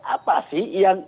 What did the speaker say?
apa sih yang